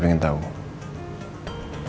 apa yang saya mau tahu